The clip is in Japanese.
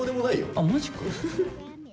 あマジか。